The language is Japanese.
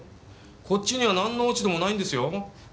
こっちには何の落ち度もないんですよ。